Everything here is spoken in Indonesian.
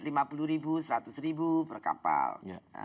satu seribu per kapal